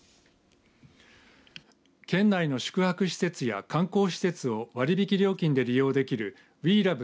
県内の宿泊施設や観光施設を割引料金で利用できるＷｅＬｏｖｅ